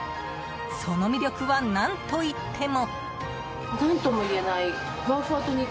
その魅力は何といっても。